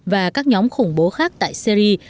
và các nhóm khủng bố khác tại syria